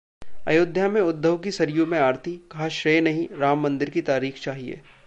अयोध्या में उद्धव की सरयू आरती, कहा- श्रेय नहीं, राम मंदिर की तारीख चाहिए